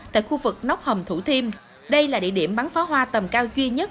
tại khu vực nóc hầm thủ thiêm đây là địa điểm bắn pháo hoa tầm cao duy nhất